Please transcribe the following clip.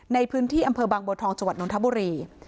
ในพื้นที่อำเภอบางโบทองจนทบุรี